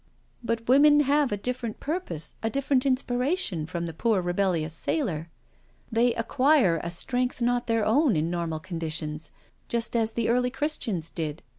" But women have a different purpose, a different inspiration, from the poor rebellious sailor. They ac quire a strength not their own in normal conditions, just as the early Christians did.